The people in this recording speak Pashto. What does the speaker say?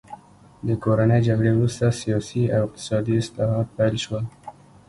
د کورنۍ جګړې وروسته سیاسي او اقتصادي اصلاحات پیل شول.